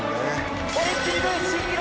オリンピック新記録。